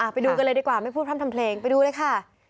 ไปดูกันเลยดีกว่าไม่พูดพร่ำทำเพลงไปดูเลยค่ะ